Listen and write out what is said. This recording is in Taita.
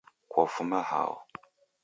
Kwafuma hao?